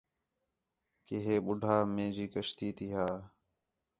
کہ ہِے ٻُڈّھا مَیں جی کشتی تی ھا